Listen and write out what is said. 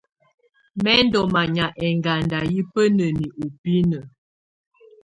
Mɛ̀ ndù manya ɛŋganda yɛ̀ bǝnǝni ù binǝ.